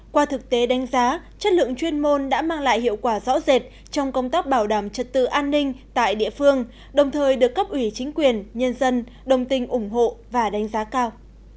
qua thực tế đánh giá chất lượng chuyên môn đã mang lại hiệu quả rõ rệt trong công tác bảo đảm trật tự an ninh tại địa phương đồng thời được cấp ủy chính quyền nhân dân đồng tình ủng hộ và đánh giá cao